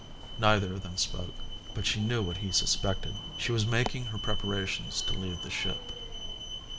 Neither of them spoke, but she knew what he suspected. She was making her preparations to leave the ship.